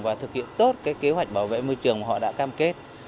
và thực hiện tốt cái kế hoạch bảo vệ môi trường họ đã cam kết